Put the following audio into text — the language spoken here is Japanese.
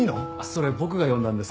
それ僕が呼んだんです。